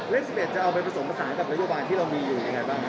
๑๑จะเอาไปผสมผสานกับนโยบายที่เรามีอยู่ยังไงบ้าง